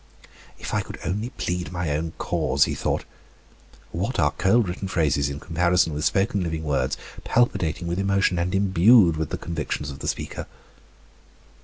"If I could only plead my own cause," he thought. "What are cold written phrases in comparison with spoken, living words, palpitating with emotion and imbued with the convictions of the speaker."